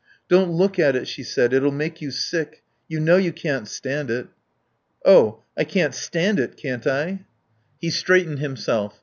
"Don't look at it," she said. "It'll make you sick. You know you can't stand it." "Oh. I can't stand it, can't I?" He straightened himself.